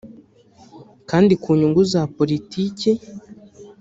kandi ku nyungu za politiki